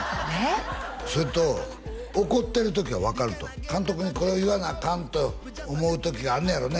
それと怒ってる時は分かると監督にこれを言わなあかんと思う時があんのやろね